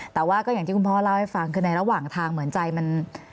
แต่ว่าก็อย่างที่คุณพ่อเล่าให้ฟังคือในระหว่างทางเหมือนใจมัน